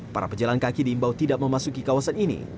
para pejalan kaki diimbau tidak memasuki kawasan ini